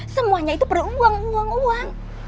semuanya itu perlu uang uang uang